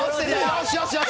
よしよしよし！